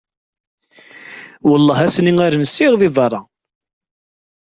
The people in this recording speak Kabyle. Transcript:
Welleh ass-nni ar nsiɣ deg berra!